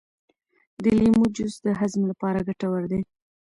د لیمو جوس د هضم لپاره ګټور دی.